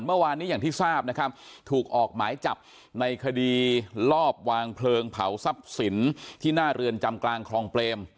เมื่อวานนี้อย่างที่ทราบนะครับถูกออกหมายจับในคดีลอบวางเพลิงเผาทรัพย์สินที่หน้าเรือนจำกลางคลองเปรม